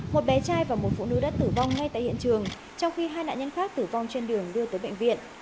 một bé trai và một phụ nữ đã tử vong ngay tại hiện trường trong khi hai nạn nhân khác tử vong trên đường đưa tới bệnh viện